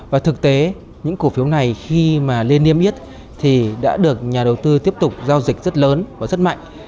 và thực tế những cổ phiếu này khi mà lên niêm yết thì đã được nhà đầu tư tiếp tục giao dịch rất lớn và rất mạnh